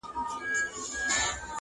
د ریا کارو زاهدانو ټولۍ،